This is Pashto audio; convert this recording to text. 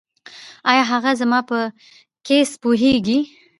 ایا هغه زما په کیس پوهیږي؟